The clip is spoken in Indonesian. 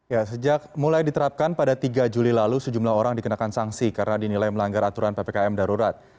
ya sejak mulai diterapkan pada tiga juli lalu sejumlah orang dikenakan sanksi karena dinilai melanggar aturan ppkm darurat